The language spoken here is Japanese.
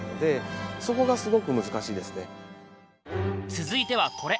続いてはこれ！